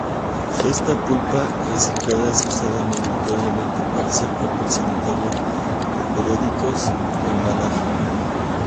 Esta pulpa reciclada es usada mayoritariamente para hacer papel sanitario, de periódicos o embalaje.